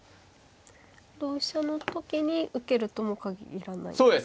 同飛車の時に受けるとも限らないんですか。